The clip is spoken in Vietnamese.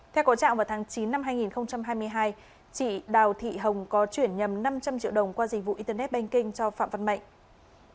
theo có trạng vào tháng chín năm hai nghìn hai mươi hai chị đào thị hồng có chuyển nhầm năm trăm linh triệu đồng qua dịch vụ internet banking cho phạm văn mạnh